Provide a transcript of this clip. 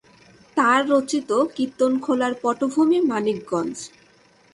তার রচিত কিত্তনখোলা’র পটভূমি মানিকগঞ্জ।